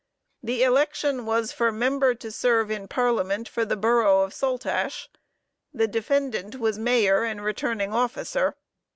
The election was for member to serve in Parliament for the borough of SALTASH. The defendant was Mayor and returning officer.